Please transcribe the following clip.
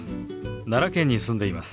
奈良県に住んでいます。